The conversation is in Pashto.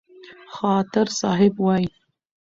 خاطر صاحب وايي: